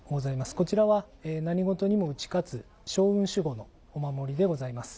こちらは何事にも打ち勝つ勝運守護のお守りでございます。